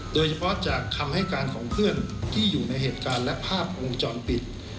โดยเฉพาะจากคำให้การของเพื่อนที่อยู่ในเหตุการณ์และภาพวงจรปิด